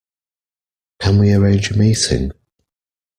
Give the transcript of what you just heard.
Can we arrange a meeting?